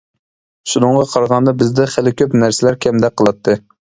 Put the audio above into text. شۇنىڭغا قارىغاندا بىزدە خېلى كۆپ نەرسىلەر كەمدەك قىلاتتى.